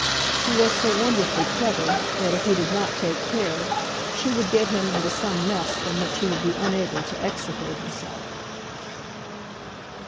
She was so wonderfully clever that, if he did not take care, she would get him into some mess from which he would be unable to extricate himself.